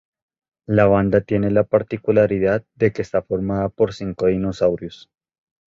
La banda tiene la particularidad de que está formada por cinco dinosaurios.